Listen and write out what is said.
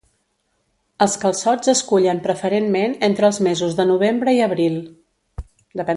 Els calçots es cullen preferentment entre els mesos de novembre i abril.